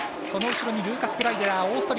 その後ろにルーカス・グライデラー。